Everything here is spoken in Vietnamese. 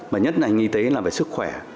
và nhất là nhân y tế là về sức khỏe